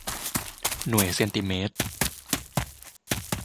หน่วยเซนติเมตร